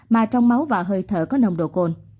mà trong máu và hơi thở có nồng độ cồn